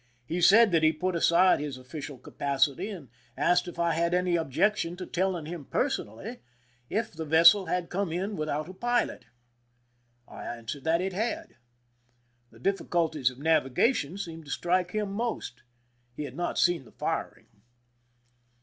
He said that he put aside his official capacity, and asked if I had any objection to telling him personally if the vessel had come in without a pilot. I answered that it had. The difficulties of navigation seemed to strike him most. He had not seen the firing.